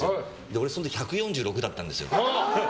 俺、その時１４６だったんですよ。